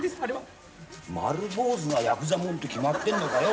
丸坊主がやくざもんって決まってんのかよ